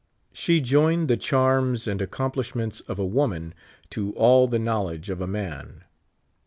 She joined the charms and accomplishments of a woman to all the knowledge of a man.